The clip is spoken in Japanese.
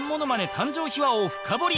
誕生秘話を深掘り！